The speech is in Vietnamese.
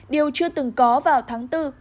điều chưa từng có vào tháng bốn